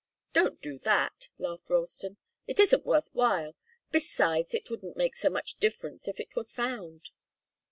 "Don't do that," laughed Ralston. "It isn't worth while. Besides, it wouldn't make so much difference if it were found."